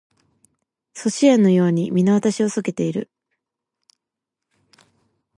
阻止円のように皆私を避けている